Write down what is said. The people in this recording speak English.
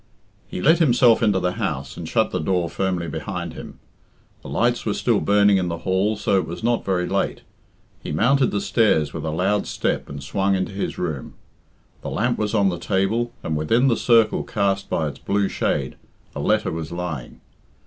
He let himself into the house and shut the door firmly behind him. The lights were still burning in the hall, so it was not very late. He mounted the stairs with a loud step and swung into his room. The lamp was on the table, and within the circle cast by its blue shade a letter was lying.